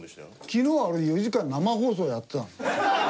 昨日は俺４時間生放送やってたの。